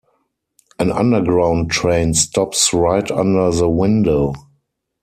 An Underground train stops right under the window.